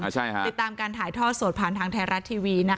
ติดตามการถ่ายทอดสดผ่านทางไทยรัฐทีวีนะคะ